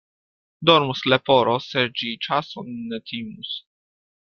Dormus leporo, se ĝi ĉason ne timus.